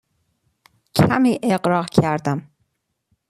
کمی اغراق کردم.